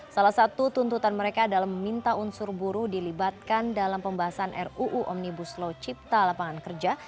salah satu tuntutan mereka adalah meminta unsur buruh dilibatkan dalam pembahasan ruu omnibus law cipta lapangan kerja